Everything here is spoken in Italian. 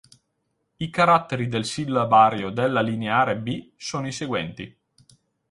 I caratteri del sillabario della Lineare B sono i seguenti.